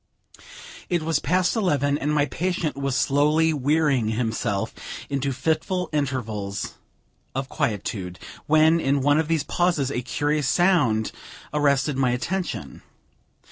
It was past eleven, and my patient was slowly wearying himself into fitful intervals of quietude, when, in one of these pauses, a curious sound arrested my attention.